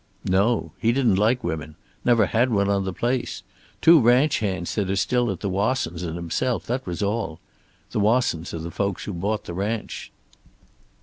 "No. He didn't like women. Never had one on the place. Two ranch hands that are still at the Wassons' and himself, that was all. The Wassons are the folks who bought the ranch."